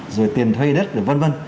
rồi tiền thuê đất và v v